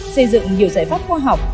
xây dựng nhiều giải pháp khoa học